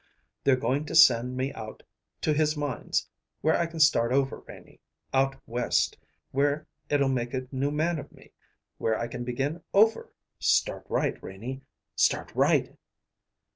They're going to send me out to his mines, where I can start over, Renie. Out West, where it'll make a new man of me; where I can begin over start right, Renie. Start right!"